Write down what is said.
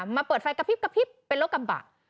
มาเปิดไฟกระพริบเป็นรถกำบัด